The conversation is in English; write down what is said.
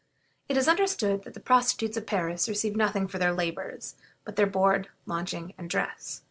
It is understood that the prostitutes of Paris receive nothing for their "labors" but their board, lodging, and dress.